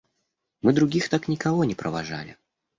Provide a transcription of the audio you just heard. Мы других так никого не провожали.